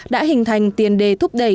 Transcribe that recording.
đã hình thành tiền đề thúc đẩy